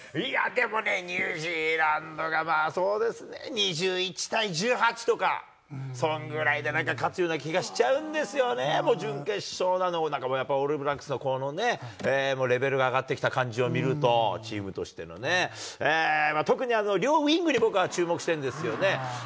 ニュージーランドがまあ、そうですね、２１対１８とか、そんぐらいでなんか勝つような気がしちゃうんですよね、もう準決勝、やっぱりオールブラックスの、このね、レベルが上がってきた感じを見ると、チームとしてのね、特に両ウイングに僕は注目してるんですよね。